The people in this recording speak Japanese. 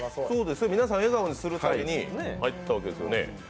皆さん、笑顔にするために入ったわけですよね。